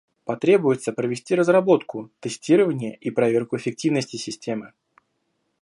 Потребуется провести разработку, тестирование и проверку эффективности системы.